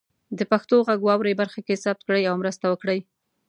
د پښتو غږ واورئ برخه کې ثبت کړئ او مرسته وکړئ.